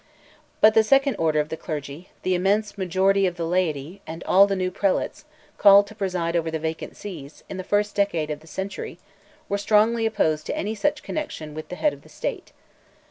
But the second order of the clergy, the immense majority of the laity, and all the new prelates, called to preside over vacant sees, in the first decade of the century, were strongly opposed to any such connexion with the head of the State.